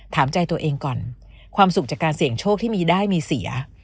ถามใจตัวเองก่อนความสุขจากการเสี่ยงโชคที่มีได้มีเสีย